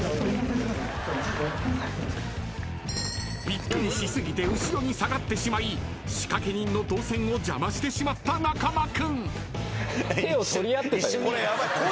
［びっくりし過ぎて後ろに下がってしまい仕掛け人の動線を邪魔してしまった中間君］